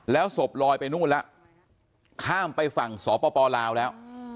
แล้วศพลอยไปนู่นแล้วข้ามไปฝั่งสปลาวแล้ว